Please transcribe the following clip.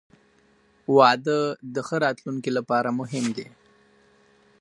• واده د ښه راتلونکي لپاره مهم دی.